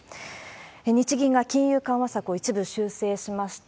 日銀が金融緩和策を一部修正しました。